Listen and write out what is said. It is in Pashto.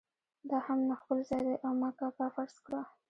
دا هم خپل ځای دی او ما کاکا فرض کړه.